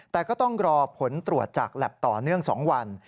แต่ก็ต้องรอผลตรวจจากแล็บต่อเนื่อง๒วัน